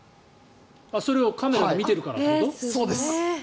それをカメラで見てるからってこと？